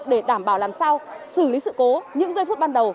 để đảm bảo làm sao xử lý sự cố những giây phút ban đầu